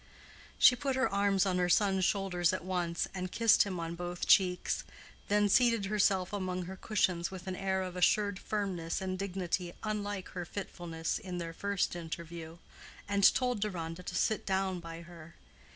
She put her arms on her son's shoulders at once, and kissed him on both cheeks, then seated herself among her cushions with an air of assured firmness and dignity unlike her fitfulness in their first interview, and told Deronda to sit down by her.